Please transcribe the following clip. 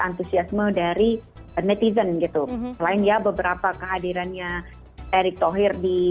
antusiasme dari netizen gitu selain ya beberapa kehadirannya erick thohir di